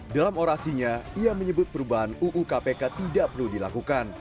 dalam orasinya ia menyebut perubahan uu kpk tidak perlu dilakukan